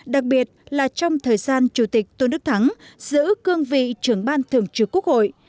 đặc biệt là trong thời gian chủ tịch tôn đức thắng giữ cương vị trưởng ban thường trực quốc hội